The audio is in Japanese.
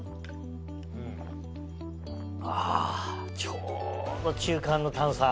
ちょうど中間の炭酸。